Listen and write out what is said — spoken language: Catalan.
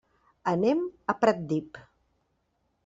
Anem a Pratdip.